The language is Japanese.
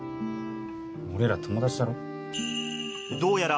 俺ら友達だろ？